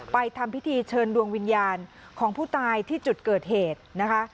ทำพิธีเชิญดวงวิญญาณของผู้ตายที่จุดเกิดเหตุนะคะ